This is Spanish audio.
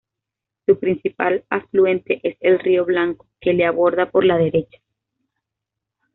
Su principal afluente es el río Blanco, que le aborda por la derecha.